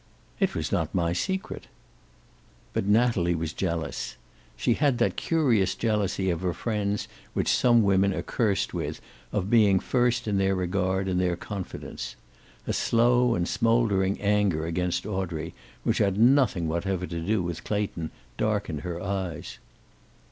"It was not my secret." But Natalie was jealous. She had that curious jealousy of her friends which some women are cursed with, of being first in their regard and their confidence. A slow and smoldering anger against Audrey, which had nothing whatever to do with Clayton, darkened her eyes.